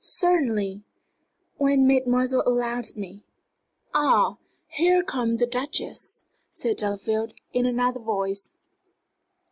"Certainly when mademoiselle allows me. Ah, here comes the Duchess!" said Delafield, in another voice.